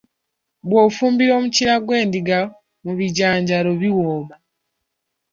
Bw’ofumbira Omukira gw’endiga mu bijanjaalo biwooma.